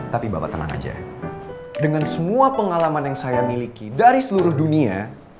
tapi bapak tenang aja dengan semua pengalaman yang saya miliki dari seluruh dunia